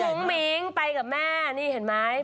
มิ้งไปกับแม่นี่เห็นไหม